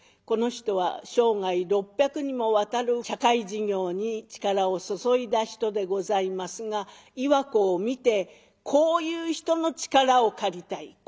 この人は生涯６００にもわたる社会事業に力を注いだ人でございますが岩子を見て「こういう人の力を借りたい。